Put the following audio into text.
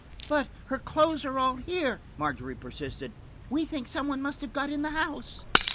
"But her clothes are all here," Margery persisted. `'We think some one must have got in the house."